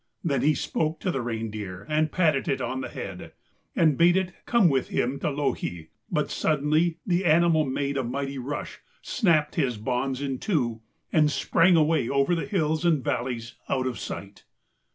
Then he spoke to the reindeer and patted it on the head, and bade it come with him to Louhi. But suddenly the animal made a mighty rush, snapped his bonds in two, and sprang away over the hills and valleys out of sight.